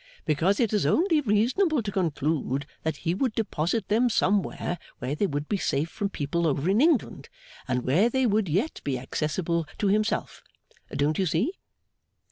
Because it is only reasonable to conclude that he would deposit them somewhere where they would be safe from people over in England, and where they would yet be accessible to himself, don't you see?